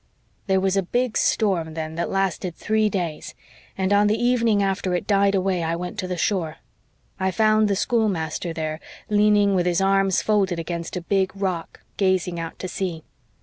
"There was a big storm then that lasted three days, and on the evening after it died away I went to the shore. I found the schoolmaster there, leaning with his arms folded against a big rock, gazing out to sea.